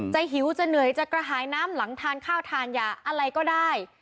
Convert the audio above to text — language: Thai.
หิวจะเหนื่อยจะกระหายน้ำหลังทานข้าวทานยาอะไรก็ได้